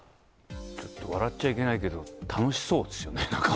ちょっと笑っちゃいけないけど、楽しそうですよね、なんかね。